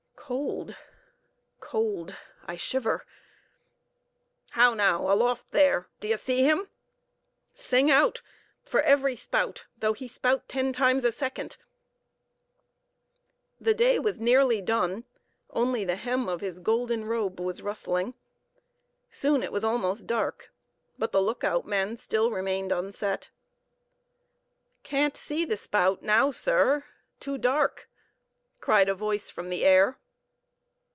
Cold, cold—I shiver! How now? Aloft there! D'ye see him? Sing out for every spout, though he spout ten times a second!" The day was nearly done; only the hem of his golden robe was rustling. Soon, it was almost dark, but the look out men still remained unset. "Can't see the spout now, sir;—too dark," cried a voice from the air.